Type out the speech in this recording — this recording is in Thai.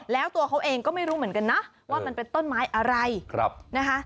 แล้วตัวเขาเองก็ไม่รู้เหมือนกันนะว่ามันเป็นต้นไม้อะไรนะคะ